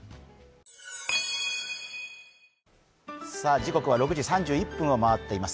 時刻は６時３１分を回っています。